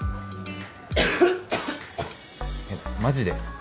えっマジで？